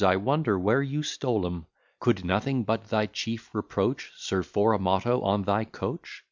I wonder where you stole 'em. Could nothing but thy chief reproach Serve for a motto on thy coach?